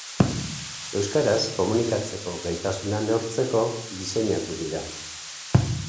Euskaraz komunikatzeko gaitasuna neurtzeko diseinatu dira.